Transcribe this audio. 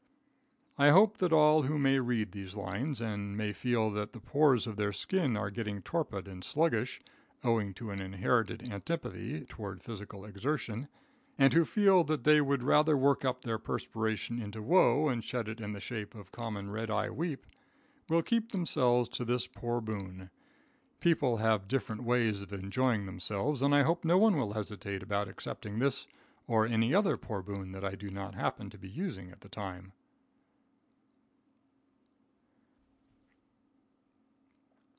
I hope that all who may read these lines, and who may feel that the pores of their skin are getting torpid and sluggish, owing to an inherited antipathy toward physical exertion, and who feel that they would rather work up their perspiration into woe and shed it in the shape of common red eyed weep, will keep themselves to this poor boon. People have different ways of enjoying themselves, and I hope no one will hesitate about accepting this or any other poor boon that I do not happen to be using at the time.